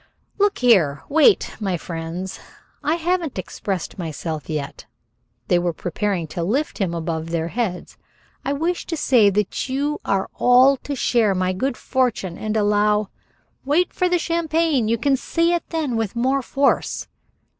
"Look here! Wait, my friends! I haven't expressed myself yet." They were preparing to lift him above their heads. "I wish to say that you are all to share my good fortune and allow " "Wait for the champagne. You can say it then with more force."